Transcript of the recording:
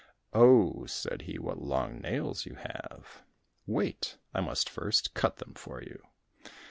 "Oh," said he, "what long nails you have! Wait, I must first cut them for you."